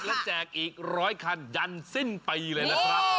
และแจกอีก๑๐๐คันยันสิ้นปีเลยนะครับ